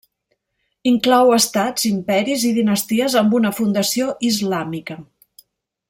Inclou estats, imperis i dinasties amb una fundació islàmica.